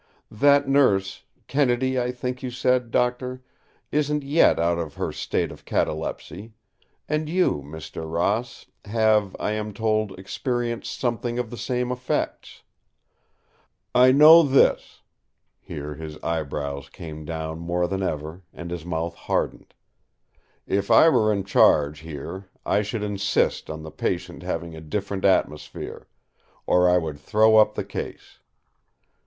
That nurse—Kennedy, I think you said, Doctor—isn't yet out of her state of catalepsy; and you, Mr. Ross, have, I am told, experienced something of the same effects. I know this"—here his eyebrows came down more than ever, and his mouth hardened—"if I were in charge here I should insist on the patient having a different atmosphere; or I would throw up the case.